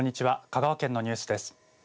香川県のニュースです。